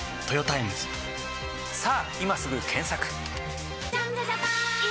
さぁ今すぐ検索！